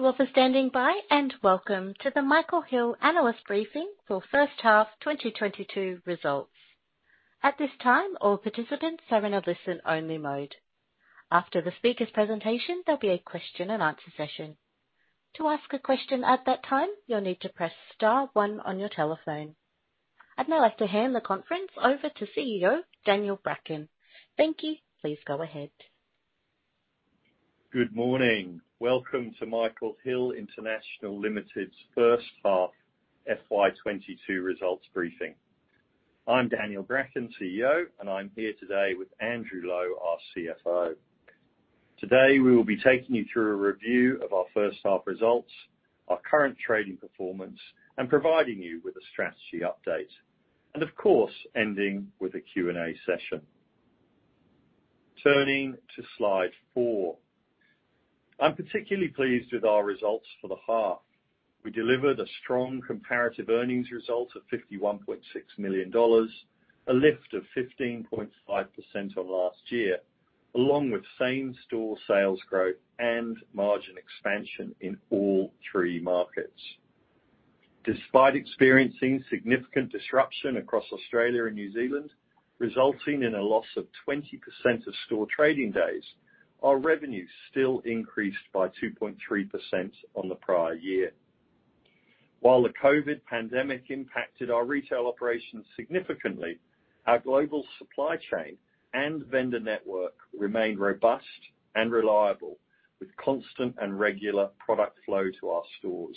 Thank you all for standing by, and welcome to the Michael Hill analyst briefing for H1 2022 Results. At this time, all participants are in a listen-only mode. After the speaker's presentation, there'll be a question-and-answer session. To ask a question at that time, you'll need to press star one on your telephone. I'd now like to hand the conference over to CEO Daniel Bracken. Thank you. Please go ahead. Good morning. Welcome to Michael Hill International Limited's H1 FY 2022 results briefing. I'm Daniel Bracken, CEO, and I'm here today with Andrew Lowe, our CFO. Today, we will be taking you through a review of our H1 results, our current trading performance, and providing you with a strategy update, and of course, ending with a Q&A session. Turning to slide four. I'm particularly pleased with our results for the half. We delivered a strong comparative earnings result of 51.6 million dollars, a lift of 15.5% on last year, along with same-store sales growth and margin expansion in all 3 markets. Despite experiencing significant disruption across Australia and New Zealand, resulting in a loss of 20% of store trading days, our revenues still increased by 2.3% on the prior year. While the COVID pandemic impacted our retail operations significantly, our global supply chain and vendor network remained robust and reliable, with constant and regular product flow to our stores.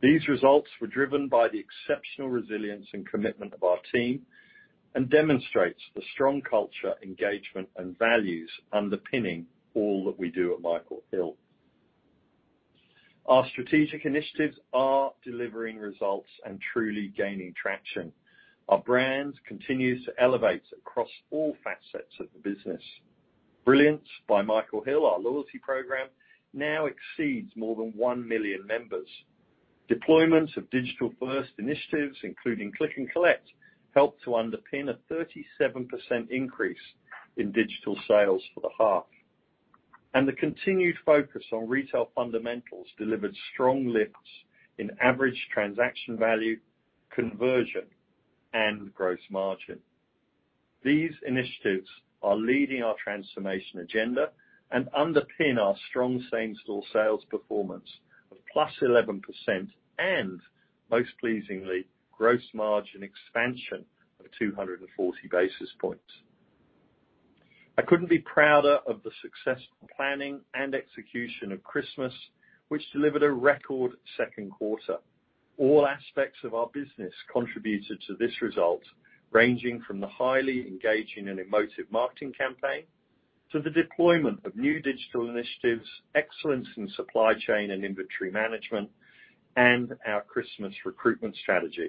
These results were driven by the exceptional resilience and commitment of our team and demonstrates the strong culture, engagement, and values underpinning all that we do at Michael Hill. Our strategic initiatives are delivering results and truly gaining traction. Our brand continues to elevate across all facets of the business. Brilliance by Michael Hill, our loyalty program, now exceeds more than 1 million members. Deployments of digital-first initiatives, including Click and Collect, helped to underpin a 37% increase in digital sales for the half. The continued focus on retail fundamentals delivered strong lifts in average transaction value, conversion, and gross margin. These initiatives are leading our transformation agenda and underpin our strong same-store sales performance of +11% and, most pleasingly, gross margin expansion of 240 basis points. I couldn't be prouder of the successful planning and execution of Christmas, which delivered a record second quarter. All aspects of our business contributed to this result, ranging from the highly engaging and emotive marketing campaign to the deployment of new digital initiatives, excellence in supply chain and inventory management, and our Christmas recruitment strategy.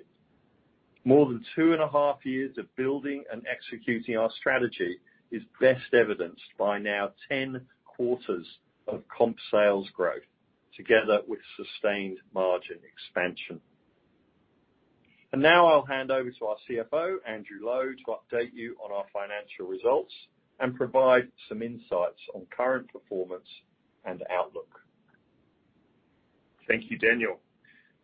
More than 2.5 years of building and executing our strategy is best evidenced by now 10 quarters of comp sales growth together with sustained margin expansion. Now I'll hand over to our CFO, Andrew Lowe, to update you on our financial results and provide some insights on current performance and outlook. Thank you, Daniel.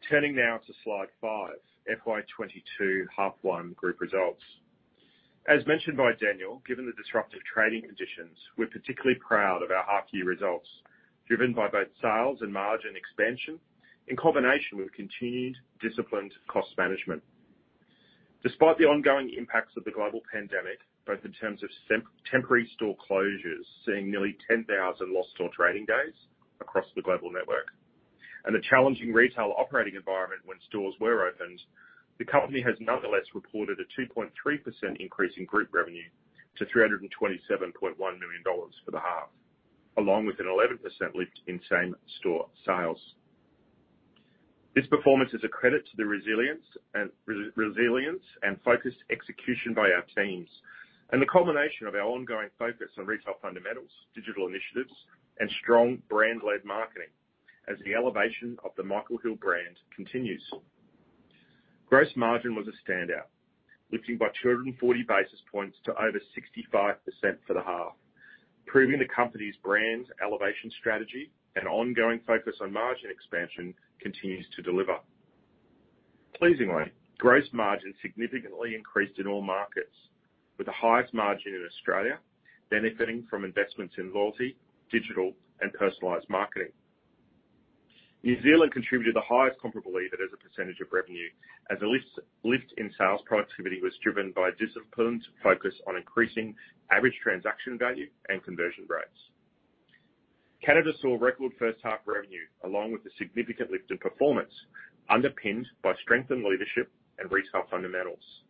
Turning now to slide five, FY 2022 H1 group results. As mentioned by Daniel, given the disruptive trading conditions, we're particularly proud of our half-year results, driven by both sales and margin expansion in combination with continued disciplined cost management. Despite the ongoing impacts of the global pandemic, both in terms of temporary store closures, seeing nearly 10,000 lost store trading days across the global network and the challenging retail operating environment when stores were opened, the company has nonetheless reported a 2.3% increase in group revenue to 327.1 million dollars for the half, along with an 11% lift in same-store sales. This performance is a credit to the resilience and focused execution by our teams and the culmination of our ongoing focus on retail fundamentals, digital initiatives, and strong brand-led marketing as the elevation of the Michael Hill brand continues. Gross margin was a standout, lifting by 240 basis points to over 65% for the half, proving the company's brand elevation strategy and ongoing focus on margin expansion continues to deliver. Pleasingly, gross margin significantly increased in all markets, with the highest margin in Australia benefiting from investments in loyalty, digital, and personalized marketing. New Zealand contributed the highest comparable EBITDA as a percentage of revenue, as a lift in sales productivity was driven by a disciplined focus on increasing average transaction value and conversion rates. Canada saw record H1 revenue, along with a significant lift in performance underpinned by strengthened leadership and retail fundamentals.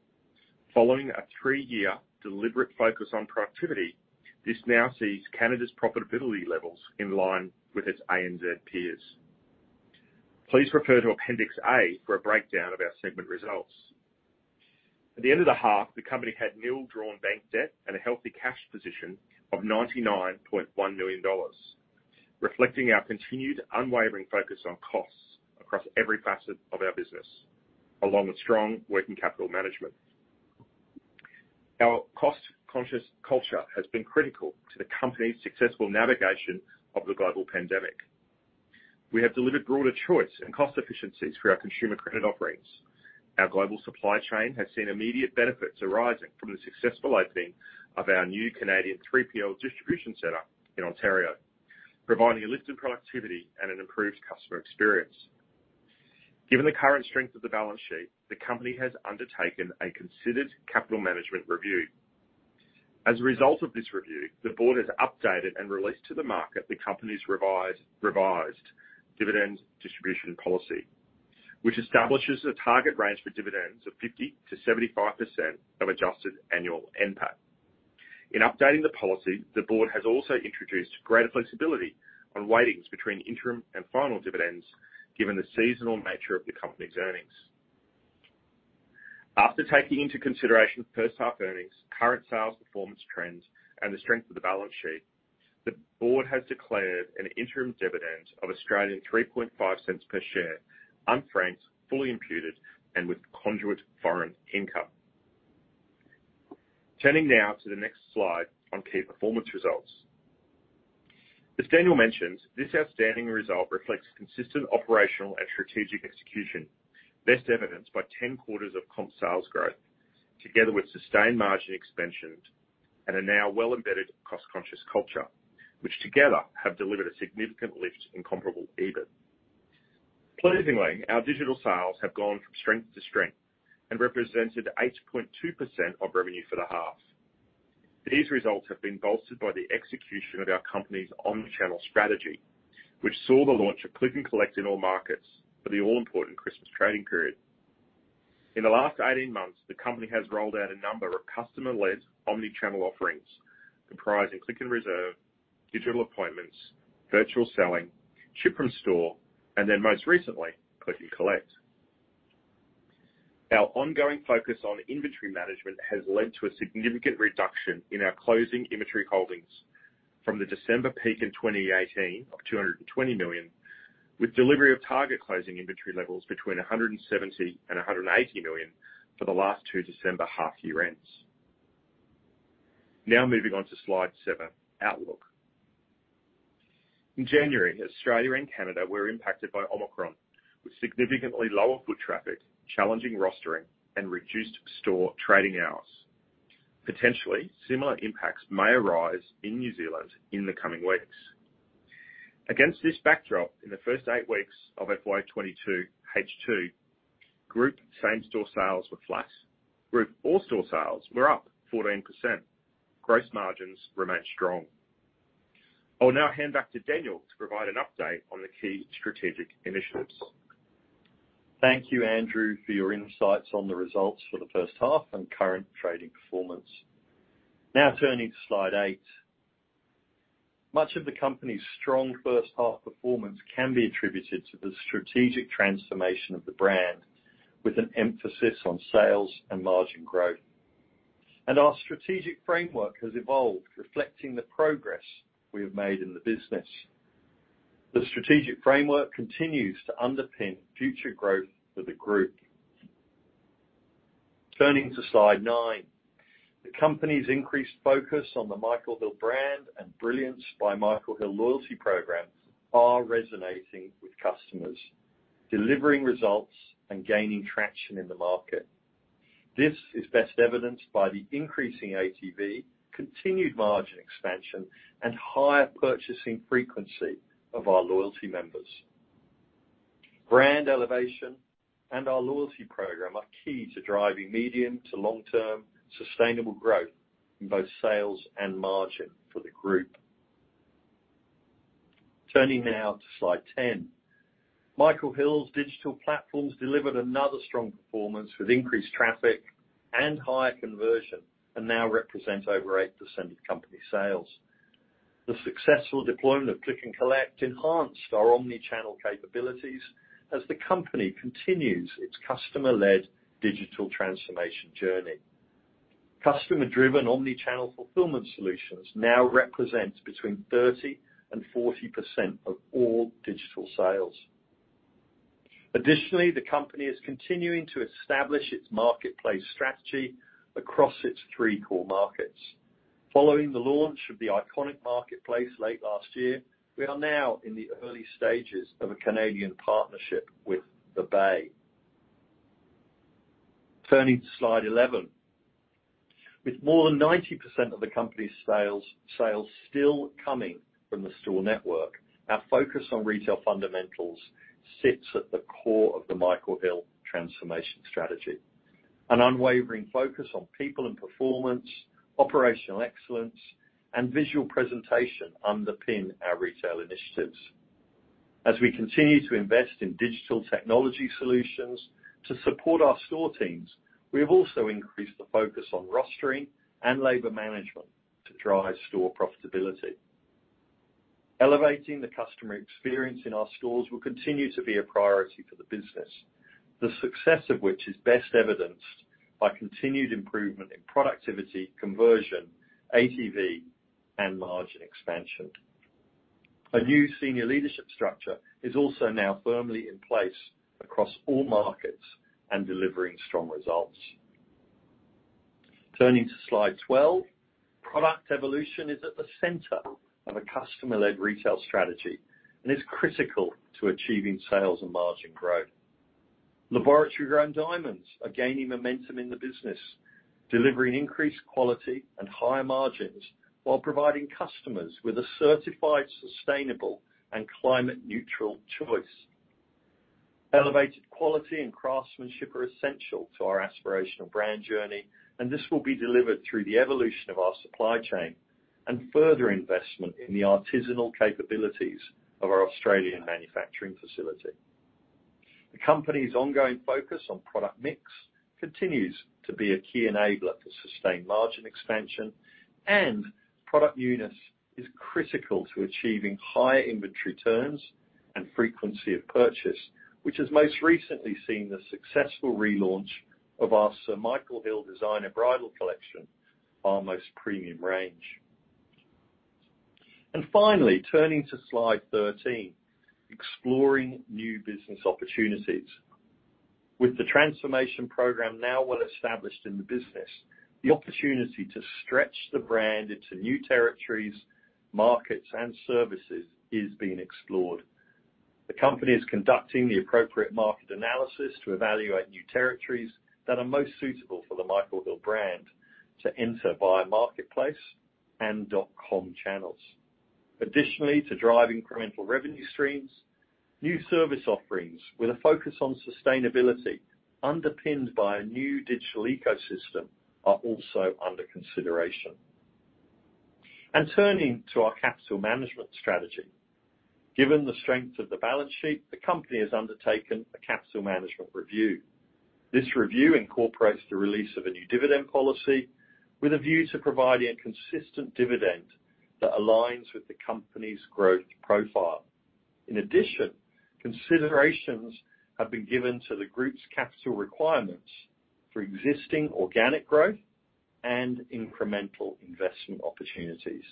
Following a three-year deliberate focus on productivity, this now sees Canada's profitability levels in line with its ANZ peers. Please refer to appendix A for a breakdown of our segment results. At the end of the half, the company had nil drawn bank debt and a healthy cash position of 99.1 million dollars, reflecting our continued unwavering focus on costs across every facet of our business, along with strong working capital management. Our cost-conscious culture has been critical to the company's successful navigation of the global pandemic. We have delivered broader choice and cost efficiencies for our consumer credit offerings. Our global supply chain has seen immediate benefits arising from the successful opening of our new Canadian 3PL distribution center in Ontario, providing a lift in productivity and an improved customer experience. Given the current strength of the balance sheet, the company has undertaken a considered capital management review. As a result of this review, the board has updated and released to the market the company's revised dividend distribution policy, which establishes a target range for dividends of 50%-75% of adjusted annual NPAT. In updating the policy, the board has also introduced greater flexibility on weightings between interim and final dividends, given the seasonal nature of the company's earnings. After taking into consideration H1 earnings, current sales performance trends, and the strength of the balance sheet, the board has declared an interim dividend of 0.035 per share, unfranked, fully imputed, and with conduit foreign income. Turning now to the next slide on key performance results. As Daniel mentioned, this outstanding result reflects consistent operational and strategic execution, best evidenced by 10 quarters of comp sales growth, together with sustained margin expansion and a now well-embedded cost-conscious culture, which together have delivered a significant lift in comparable EBIT. Pleasingly, our digital sales have gone from strength to strength and represented 8.2% of revenue for the half. These results have been bolstered by the execution of our company's omni-channel strategy, which saw the launch of Click and Collect in all markets for the all-important Christmas trading period. In the last 18 months, the company has rolled out a number of customer-led omni-channel offerings comprising Click and Reserve, digital appointments, virtual selling, ship from store, and then most recently, Click and Collect. Our ongoing focus on inventory management has led to a significant reduction in our closing inventory holdings from the December peak in 2018 of 220 million, with delivery of target closing inventory levels between 170 million and 180 million for the last two December half year ends. Now moving on to Slide seven, Outlook. In January, Australia and Canada were impacted by Omicron with significantly lower foot traffic, challenging rostering and reduced store trading hours. Potentially, similar impacts may arise in New Zealand in the coming weeks. Against this backdrop, in the first eight weeks of FY 2022 H2, group same-store sales were flat. Group all store sales were up 14%. Gross margins remained strong. I'll now hand back to Daniel to provide an update on the key strategic initiatives. Thank you Andrew for your insights on the results for the H1 and current trading performance. Now turning to slide eight. Much of the company's strong H1 performance can be attributed to the strategic transformation of the brand, with an emphasis on sales and margin growth. Our strategic framework has evolved, reflecting the progress we have made in the business. The strategic framework continues to underpin future growth for the group. Turning to slide nine. The company's increased focus on the Michael Hill brand and Brilliance by Michael Hill loyalty program are resonating with customers, delivering results and gaining traction in the market. This is best evidenced by the increasing ATV, continued margin expansion, and higher purchasing frequency of our loyalty members. Brand elevation and our loyalty program are key to driving medium to long-term sustainable growth in both sales and margin for the group. Turning now to slide 10. Michael Hill's digital platforms delivered another strong performance with increased traffic and higher conversion, and now represent over 8% of company sales. The successful deployment of Click and Collect enhanced our omni-channel capabilities as the company continues its customer-led digital transformation journey. Customer-driven omni-channel fulfillment solutions now represent between 30% and 40% of all digital sales. Additionally, the company is continuing to establish its marketplace strategy across its three core markets. Following the launch of The Iconic late last year, we are now in the early stages of a Canadian partnership with The Bay. Turning to slide 11. With more than 90% of the company's sales still coming from the store network, our focus on retail fundamentals sits at the core of the Michael Hill transformation strategy. An unwavering focus on people and performance, operational excellence, and visual presentation underpin our retail initiatives. As we continue to invest in digital technology solutions to support our store teams, we have also increased the focus on rostering and labor management to drive store profitability. Elevating the customer experience in our stores will continue to be a priority for the business, the success of which is best evidenced by continued improvement in productivity, conversion, ATV, and margin expansion. A new senior leadership structure is also now firmly in place across all markets and delivering strong results. Turning to slide 12. Product evolution is at the center of a customer-led retail strategy and is critical to achieving sales and margin growth. Laboratory-grown diamonds are gaining momentum in the business, delivering increased quality and higher margins while providing customers with a certified, sustainable, and climate neutral choice. Elevated quality and craftsmanship are essential to our aspirational brand journey, and this will be delivered through the evolution of our supply chain and further investment in the artisanal capabilities of our Australian manufacturing facility. The company's ongoing focus on product mix continues to be a key enabler to sustain margin expansion, and product newness is critical to achieving higher inventory turns and frequency of purchase, which has most recently seen the successful relaunch of our Sir Michael Hill Designer Bridal collection, our most premium range. Finally, turning to slide 13, exploring new business opportunities. With the transformation program now well established in the business, the opportunity to stretch the brand into new territories, markets, and services is being explored. The company is conducting the appropriate market analysis to evaluate new territories that are most suitable for the Michael Hill brand to enter via marketplace and dot com channels. Additionally, to drive incremental revenue streams, new service offerings with a focus on sustainability underpinned by a new digital ecosystem are also under consideration. Turning to our capital management strategy, given the strength of the balance sheet, the company has undertaken a capital management review. This review incorporates the release of a new dividend policy with a view to providing a consistent dividend that aligns with the company's growth profile. In addition, considerations have been given to the group's capital requirements for existing organic growth and incremental investment opportunities.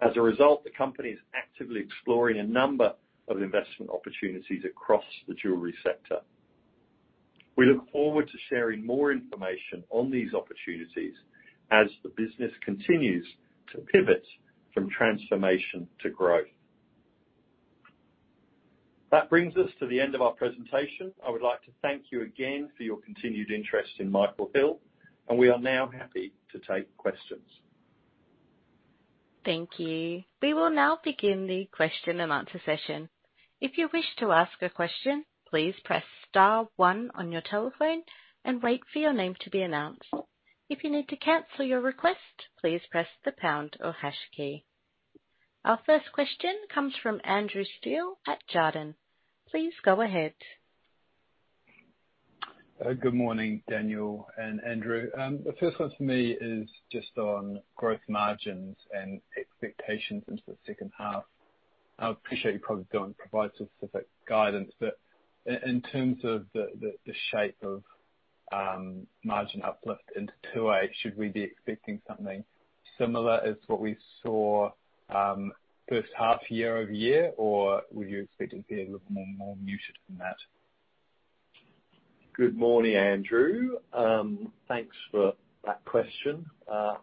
As a result, the company is actively exploring a number of investment opportunities across the jewelry sector. We look forward to sharing more information on these opportunities as the business continues to pivot from transformation to growth. That brings us to the end of our presentation. I would like to thank you again for your continued interest in Michael Hill, and we are now happy to take questions. Thank you. We will now begin the question and answer session. If you wish to ask a question, please press star one on your telephone and wait for your name to be announced. If you need to cancel your request, please press the pound or hash key. Our first question comes from Andrew Steele at Jarden. Please go ahead. Good morning, Daniel and Andrew. The first one for me is just on gross margins and expectations into the H2. I would appreciate you probably don't provide specific guidance, but in terms of the shape of margin uplift into 2028, should we be expecting something similar as what we saw H1 year-over-year? Or were you expecting to be a little more muted than that? Good morning, Andrew. Thanks for that question. I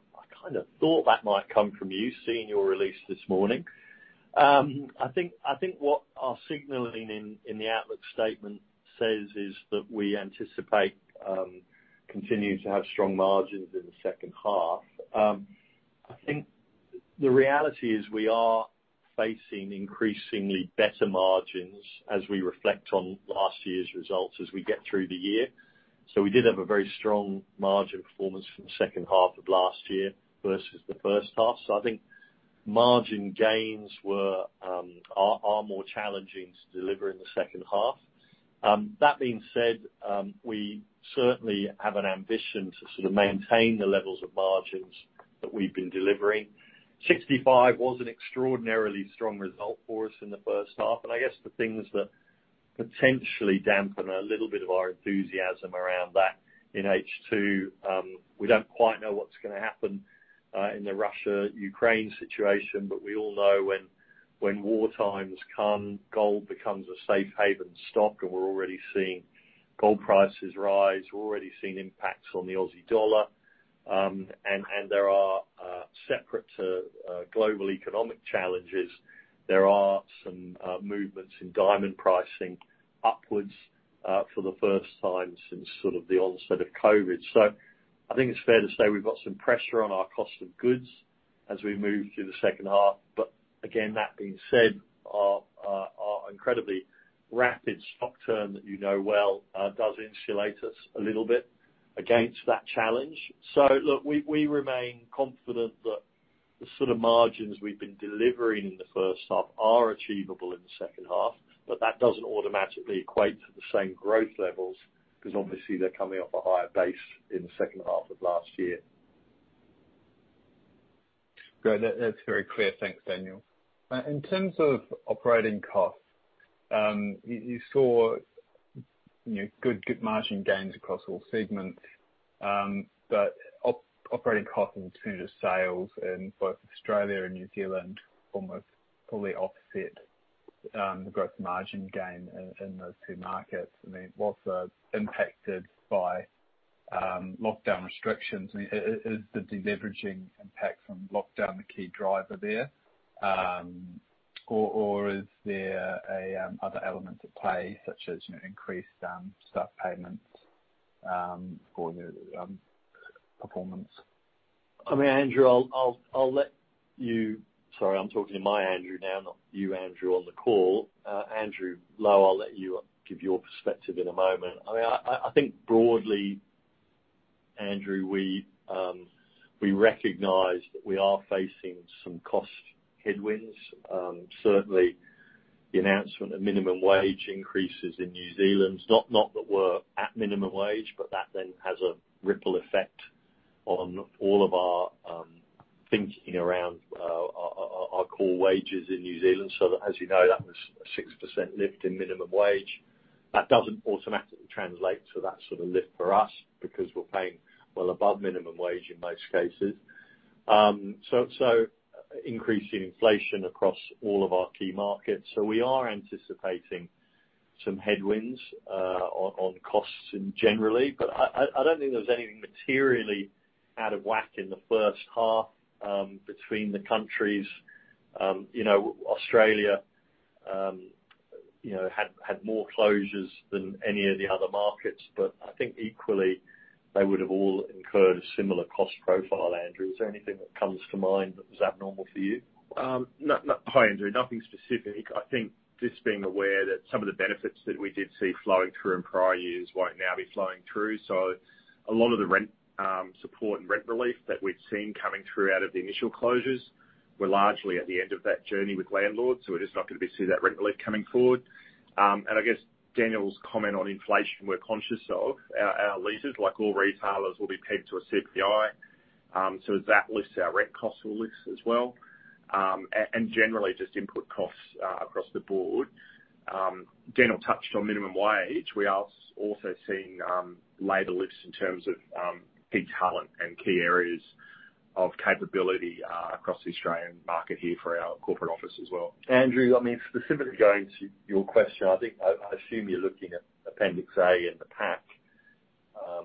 kind of thought that might come from you, seeing your release this morning. I think what we're signaling in the outlook statement says is that we anticipate continuing to have strong margins in the H2. I think the reality is we are facing increasingly better margins as we reflect on last year's results as we get through the year. We did have a very strong margin performance from the H2 of last year versus the H1. I think margin gains are more challenging to deliver in the H2. That being said, we certainly have an ambition to sort of maintain the levels of margins that we've been delivering. 65 was an extraordinarily strong result for us in the H1, and I guess the things that potentially dampen a little bit of our enthusiasm around that in H2, we don't quite know what's gonna happen in the Russia-Ukraine situation. We all know when war times come, gold becomes a safe haven stock, and we're already seeing gold prices rise. We're already seeing impacts on the Aussie dollar, and there are separate to global economic challenges, there are some movements in diamond pricing upwards, for the first time since sort of the onset of COVID. I think it's fair to say we've got some pressure on our cost of goods as we move through the H2, but again, that being said, our incredibly rapid stock turn that you know well does insulate us a little bit against that challenge. Look, we remain confident that the sort of margins we've been delivering in the H1 are achievable in the H2, but that doesn't automatically equate to the same growth levels because obviously they're coming off a higher base in the H2 of last year. Great. That's very clear. Thanks, Daniel. In terms of operating costs, you saw, you know, good margin gains across all segments. But operating costs in terms of sales in both Australia and New Zealand almost fully offset the gross margin gain in those two markets. I mean, whilst that's impacted by lockdown restrictions, I mean, is the deleveraging impact from lockdown the key driver there? Or is there another element at play, such as, you know, increased staff payments for their performance? I mean, Andrew, I'll let you give your perspective in a moment. Sorry, I'm talking to my Andrew now, not you Andrew on the call. Andrew Lowe, I'll let you give your perspective in a moment. I mean, I think broadly, Andrew, we recognize that we are facing some cost headwinds. Certainly the announcement of minimum wage increases in New Zealand, not that we're at minimum wage, but that then has a ripple effect on all of our thinking around our core wages in New Zealand. That, as you know, was a 6% lift in minimum wage. That doesn't automatically translate to that sort of lift for us because we're paying well above minimum wage in most cases. Increasing inflation across all of our key markets. We are anticipating some headwinds on costs in general, but I don't think there's anything materially out of whack in the H1 between the countries. You know, Australia you know had more closures than any of the other markets, but I think equally they would have all incurred a similar cost profile. Andrew, is there anything that comes to mind that was abnormal for you? Hi, Andrew. Nothing specific. I think just being aware that some of the benefits that we did see flowing through in prior years won't now be flowing through. A lot of the rent support and rent relief that we'd seen coming through out of the initial closures, we're largely at the end of that journey with landlords, so we're just not gonna be seeing that rent relief coming forward. I guess Daniel's comment on inflation, we're conscious of. Our leases, like all retailers, will be pegged to a CPI. As that lifts, our rent costs will lift as well. And generally just input costs across the board. Daniel touched on minimum wage. We are also seeing labor lifts in terms of key talent and key areas of capability across the Australian market here for our corporate office as well. Andrew, I mean, specifically going to your question, I think, I assume you're looking at Appendix A in the pack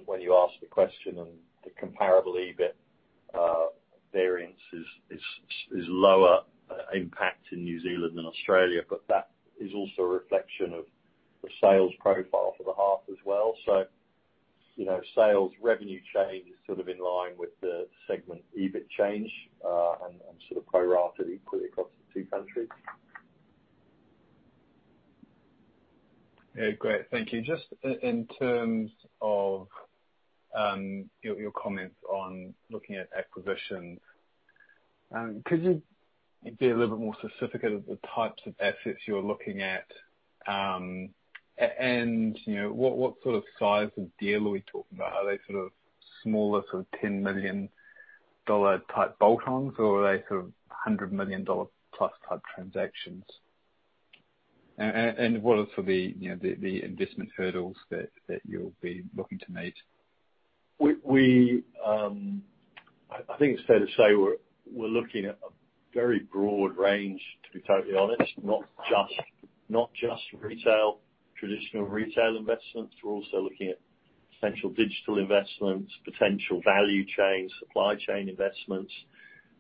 when you ask the question and the comparable EBIT variance is lower impact in New Zealand than Australia. That is also a reflection of the sales profile for the half as well. You know, sales revenue change is sort of in line with the segment EBIT change and sort of prorated equally across the two countries. Yeah. Great. Thank you. Just in terms of your comments on looking at acquisitions, could you be a little bit more specific of the types of assets you're looking at? And you know, what sort of size of deal are we talking about? Are they sort of smaller, sort of 10 million dollar type bolt-ons, or are they sort of 100 million dollar plus type transactions? And what are sort of the, you know, the investment hurdles that you'll be looking to meet? We, I think it's fair to say we're looking at a very broad range, to be totally honest, not just traditional retail investments. We're also looking at potential digital investments, potential value chain, supply chain investments.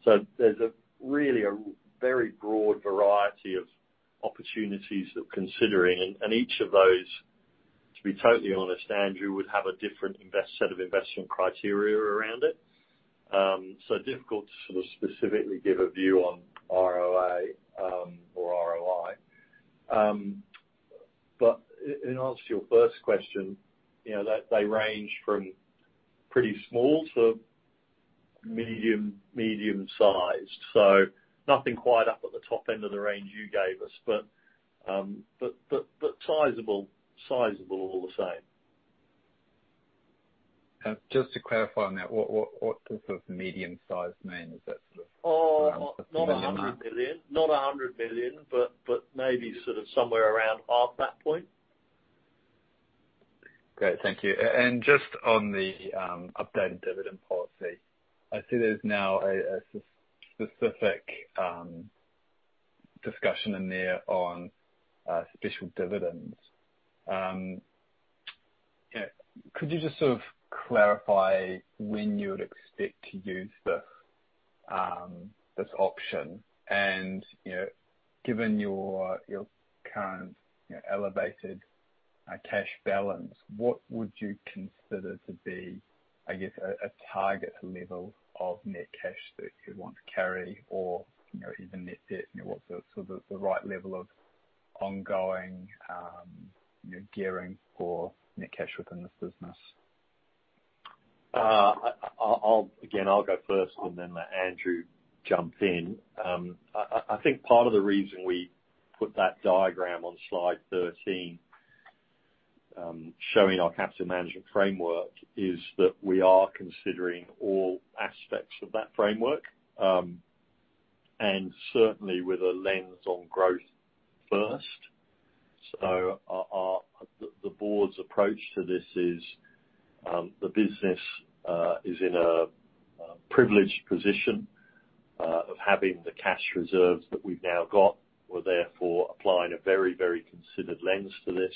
There's really a very broad variety of opportunities that we're considering. Each of those, to be totally honest, Andrew, would have a different set of investment criteria around it. Difficult to sort of specifically give a view on ROA or ROI. In answer to your first question, you know, they range from pretty small to medium sized. Nothing quite up at the top end of the range you gave us, but sizable all the same. Just to clarify on that, what does sort of medium-sized mean? Is that sort of around the AUD 10 million mark? Oh, not 100 million, but maybe sort of somewhere around half that point. Great. Thank you. Just on the updated dividend policy, I see there's now a specific discussion in there on special dividends. You know, could you just sort of clarify when you would expect to use this option? You know, given your current, you know, elevated cash balance, what would you consider to be, I guess, a target level of net cash that you want to carry or, you know, even net debt? You know, what's sort of the right level of ongoing, you know, gearing for net cash within this business? I'll go first again and then let Andrew jump in. I think part of the reason we put that diagram on slide 13, showing our capital management framework, is that we are considering all aspects of that framework, and certainly with a lens on growth first. The board's approach to this is the business is in a privileged position of having the cash reserves that we've now got. We're therefore applying a very considered lens to this.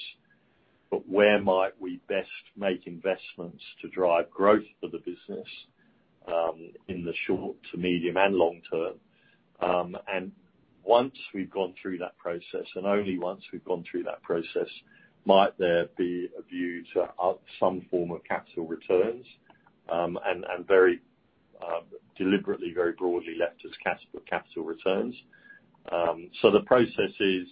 Where might we best make investments to drive growth for the business in the short to medium and long term? Once we've gone through that process, and only once we've gone through that process, might there be a view to some form of capital returns, and very deliberately, very broadly left as capital returns. The process is,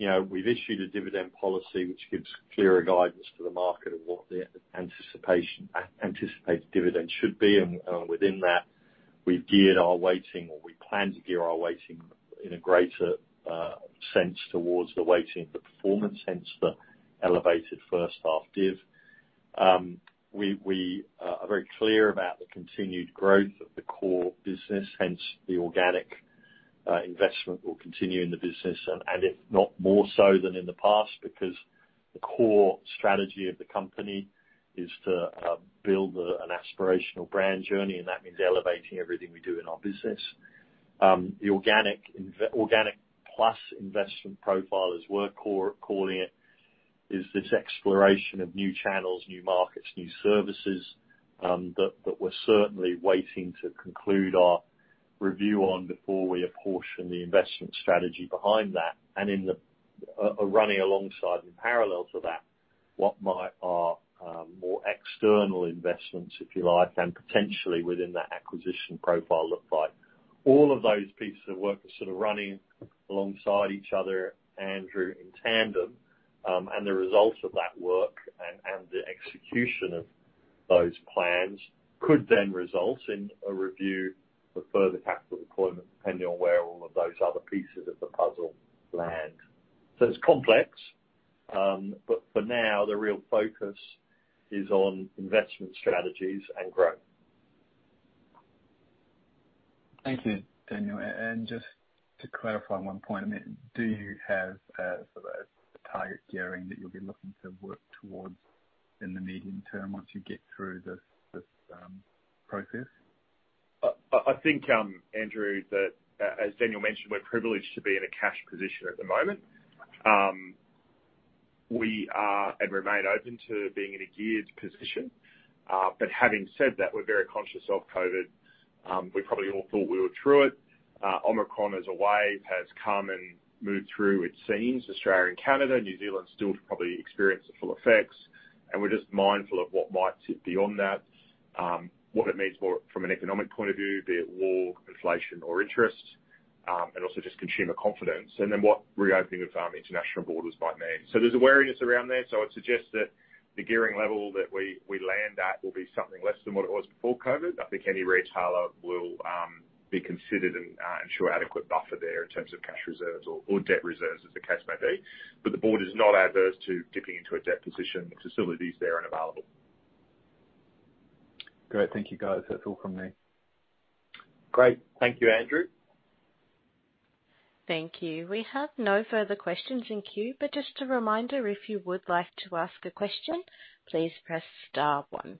you know, we've issued a dividend policy which gives clearer guidance to the market of what the anticipated dividend should be. Within that, we've geared our weighting or we plan to gear our weighting in a greater sense towards the weighting, the performance, hence the elevated H1 div. We are very clear about the continued growth of the core business, hence the organic investment will continue in the business, and if not more so than in the past, because the core strategy of the company is to build an aspirational brand journey, and that means elevating everything we do in our business. The organic plus investment profile, as we're calling it, is this exploration of new channels, new markets, new services that we're certainly waiting to conclude our review on before we apportion the investment strategy behind that. Running alongside and parallel to that, what might our more external investments, if you like, and potentially within that acquisition profile look like? All of those pieces of work are sort of running alongside each other, Andrew, in tandem. The results of that work and the execution of those plans could then result in a review for further capital deployment, depending on where all of those other pieces of the puzzle land. It's complex, but for now, the real focus is on investment strategies and growth. Thank you, Daniel. Just to clarify one point, I mean, do you have sort of a target gearing that you'll be looking to work towards in the medium term once you get through this process? I think, Andrew, that, as Daniel mentioned, we're privileged to be in a cash position at the moment. We are and remain open to being in a geared position. But having said that, we're very conscious of COVID. We probably all thought we were through it. Omicron as a wave has come and moved through, it seems, Australia and Canada. New Zealand still to probably experience the full effects. We're just mindful of what might sit beyond that. What it means from an economic point of view, be it war, inflation or interest, and also just consumer confidence. Then what reopening of international borders might mean. There's a wariness around there. I'd suggest that the gearing level that we land at will be something less than what it was before COVID. I think any retailer will be considered and ensure adequate buffer there in terms of cash reserves or debt reserves as the case may be. The board is not adverse to dipping into a debt position. Facility is there and available. Great. Thank you, guys. That's all from me. Great. Thank you, Andrew. Thank you. We have no further questions in queue. But just a reminder, if you would like to ask a question, please press star one.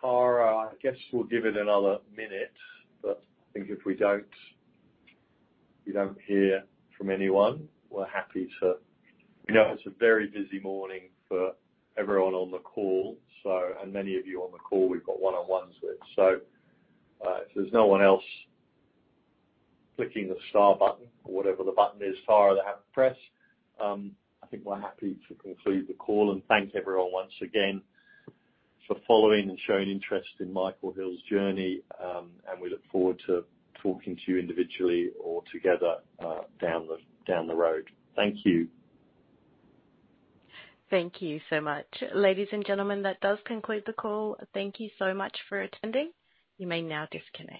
Tara, I guess we'll give it another minute, but I think if we don't hear from anyone, we're happy to conclude the call. We know it's a very busy morning for everyone on the call, and many of you on the call, we've got one-on-ones with. If there's no one else clicking the star button or whatever the button is, Tara, they have to press, I think we're happy to conclude the call. Thank everyone once again for following and showing interest in Michael Hill's journey. We look forward to talking to you individually or together, down the road. Thank you. Thank you so much. Ladies and gentlemen, that does conclude the call. Thank you so much for attending. You may now disconnect.